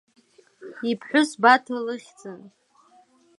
Иԥҳәыс Баҭа лыхьӡын.